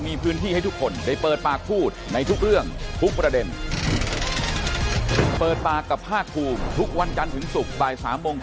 ไม่มีเลย